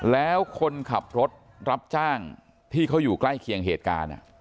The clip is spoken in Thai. แล้วคนขับรถรับจ้างที่เขาอยู่ใกล้เคียงเหตุการณ์